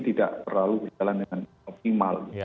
tidak terlalu berjalan dengan optimal